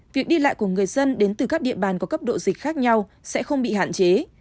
việc đi lại của người dân đến từ các địa bàn có cấp độ dịch khác nhau sẽ không bị hạn chế